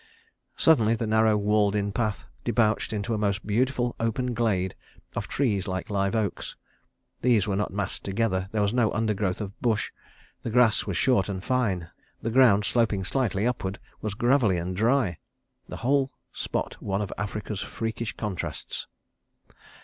... Suddenly the narrow, walled in path debouched into a most beautiful open glade of trees like live oaks. These were not massed together; there was no undergrowth of bush; the grass was short and fine; the ground sloping slightly upward was gravelly and dry—the whole spot one of Africa's freakish contrasts.